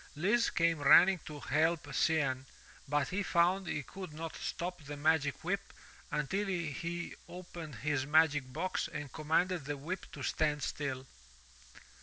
Lise came running to help Cianne, but he found he could not stop the magic whip until he opened his magic box and com manded the whip to stand still.